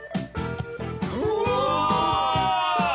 うわ！